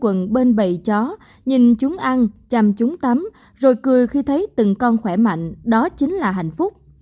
quần bên bày chó nhìn chúng ăn chăm chúng tắm rồi cười khi thấy từng con khỏe mạnh đó chính là hạnh phúc